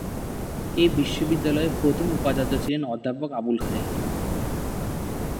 এই বিশ্ববিদ্যালয়ের প্রথম উপাচার্য ছিলেন অধ্যাপক আবুল খায়ের।